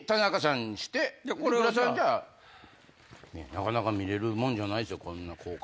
なかなか見れるもんじゃないよこんな交換。